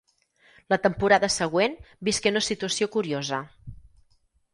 La temporada següent visqué una situació curiosa.